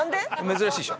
珍しいでしょ？